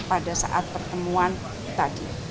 pada saat pertemuan tadi